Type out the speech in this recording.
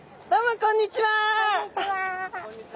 こんにちは。